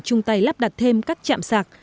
chung tay lắp đặt thêm các chạm sạc